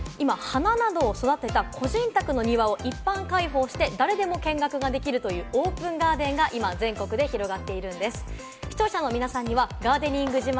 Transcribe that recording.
今、花などを育てた個人宅の庭を一般開放して誰でも見学ができるという、オープンガーデンが今、全国で広がっているんです。